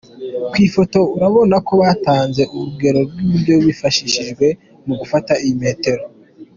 Ku ifoto urabona ko batanze urugero rw’iburo yifashishijwe mu gufata iyi metero.